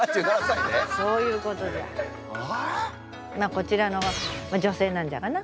こちらの女性なんじゃがな。